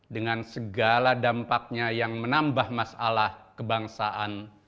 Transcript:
dengan segala dampaknya yang menambah masalah kebangsaan